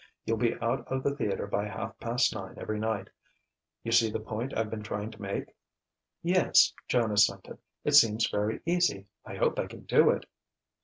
You'll be out of the theatre by half past nine every night.... You see the point I've been trying to make?" "Yes," Joan assented. "It seems very easy. I hope I can do it."